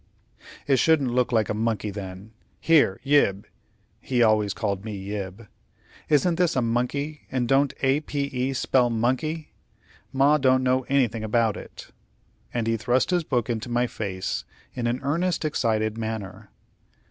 "It shouldn't look like a monkey, then. Here, Yib" he always called me Yib "isn't this a monkey, and don't A p e spell monkey? Ma don't know anything about it;" and he thrust his book into my face in an earnest, excited manner.